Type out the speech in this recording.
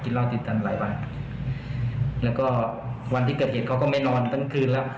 เหล้าติดกันหลายวันแล้วก็วันที่เกิดเหตุเขาก็ไม่นอนทั้งคืนแล้ว